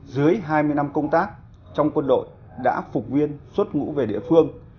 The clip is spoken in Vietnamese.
dưới hai mươi năm công tác trong quân đội đã phục viên xuất ngũ về địa phương